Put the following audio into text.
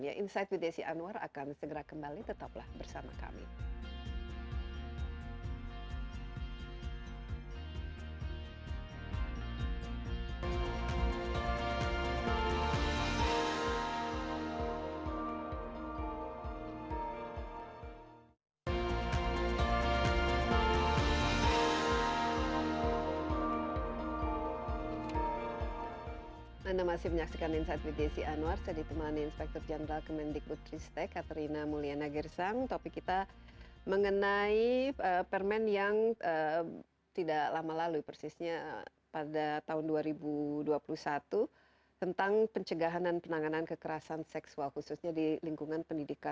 insight with desi anwar akan segera kembali tetaplah bersama kami